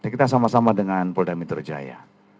kita sama sama dengan bola mitra jaya